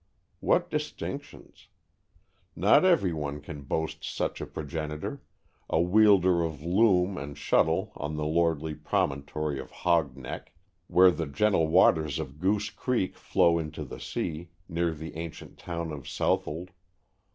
What distinctions! Not every one can boast such a progenitor, a wielder of loom and shuttle on the lordly promontory of Hog Neck, where the gentle waters of Goose Creek flow into the sea, near the ancient town of Southold.